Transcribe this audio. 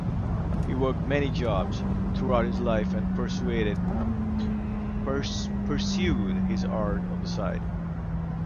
He worked many jobs throughout his life and pursued his art on the side.